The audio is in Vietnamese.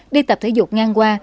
đi tập thể dục ngang qua